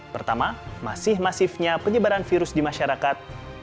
pertama masih masifnya penyebaran virus di masyarakat